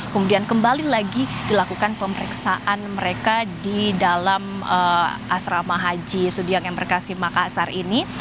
kemudian kembali lagi dilakukan pemeriksaan mereka di dalam asrama haji sudiang embarkasi makassar ini